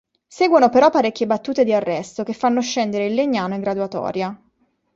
Seguono però parecchie battute di arresto che fanno scendere il Legnano in graduatoria.